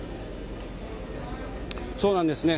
そうなんですね。